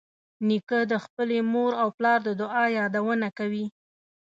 نیکه د خپلې مور او پلار د دعا یادونه کوي.